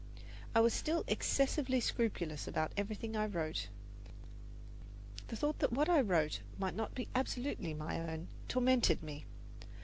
I was still excessively scrupulous about everything I wrote. The thought that what I wrote might not be absolutely my own tormented me.